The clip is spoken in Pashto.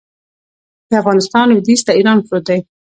د افغانستان لویدیځ ته ایران پروت دی